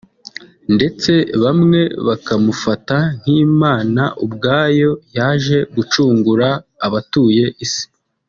ndetse bamwe bakamufata nk’Imana Ubwayo yaje gucungura abatuye Isi